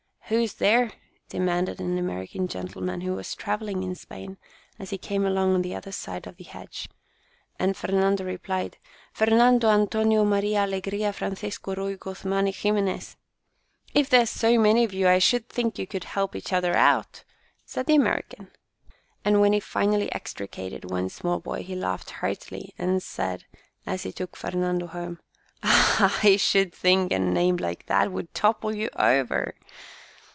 "Who's there?" demanded an American gentleman, who was travelling in Spain, as he came along on the other side of the hedge, and Fernando replied, " Fernando Antonio Maria Allegria Francisco Ruy Guzman y Ximenez !"" If there's so many of you I should think you could help each other out," said the American, and when he finally extricated one small boy he laughed heartily, and said, as he took Fernando home :" I should think a name like that would topple you over."